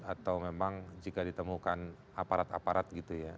atau memang jika ditemukan aparat aparat gitu ya